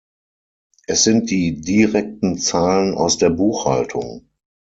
Es sind die direkten Zahlen aus der Buchhaltung.